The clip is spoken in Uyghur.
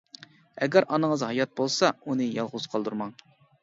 ئەگەر ئانىڭىز ھايات بولسا ئۇنى يالغۇز قالدۇرماڭ!